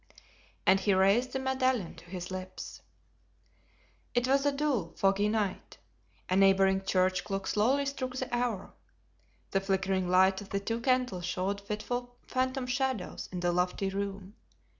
And he raised the medallion to his lips. It was a dull, foggy night. A neighboring church clock slowly struck the hour. The flickering light of the two candles showed fitful phantom shadows in the lofty room.